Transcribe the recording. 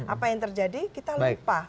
apa yang terjadi kita lupa